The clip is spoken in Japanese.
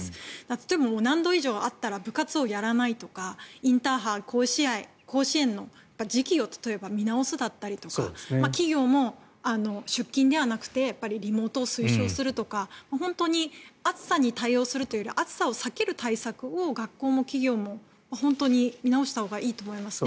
例えば、何度以上あったら部活をやらないとかインターハイ、甲子園の時期を見直すだったりとか企業も出勤ではなくてリモートを推奨するとか本当に暑さに対応するというよりは暑さを避ける対策を学校も企業も本当に見直したほうがいいと思いますね。